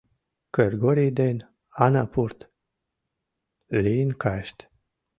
Кыргорий ден Ана пурт! лийын кайышт.